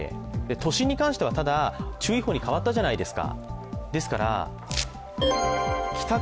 都心に関しては、ただ、注意報に変わったじゃないですか。